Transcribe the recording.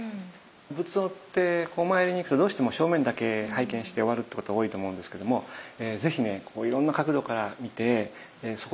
仏像ってお参りに来るとどうしても正面だけ拝見して終わるってこと多いと思うんですけども是非ねいろんな角度から見てそこから読み取れる時代性とかね